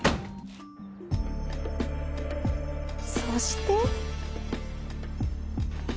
そして。